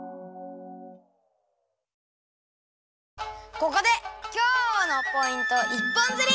ここで今日のポイント一本釣り！